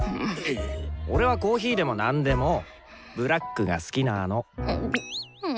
俺はコーヒーでもなんでもブラックが好きなの。